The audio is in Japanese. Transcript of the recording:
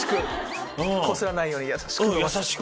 こすらないように優しく？